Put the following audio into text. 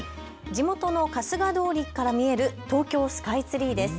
地元の春日通りから見える東京スカイツリーです。